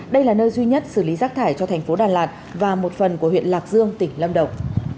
đây là nơi duy nhất xử lý rác thải cho thành phố đà lạt và một phần của huyện lạc dương tỉnh lâm đồng